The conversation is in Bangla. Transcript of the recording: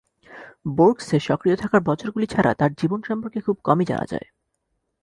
বোর্গসে সক্রিয় থাকার বছরগুলি ছাড়া তার জীবন সম্পর্কে খুব কমই জানা যায়।